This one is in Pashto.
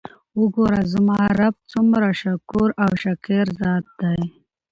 وګوره! زما رب څومره شکور او شاکر ذات دی!!؟